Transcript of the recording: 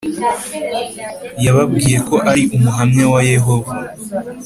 Yababwiye ko ari Umuhamya wa yehova